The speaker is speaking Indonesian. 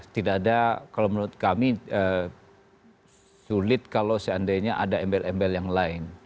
tidak ada kalau menurut kami sulit kalau seandainya ada embel embel yang lain